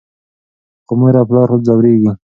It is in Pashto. خو مور او پلار ځورېږي.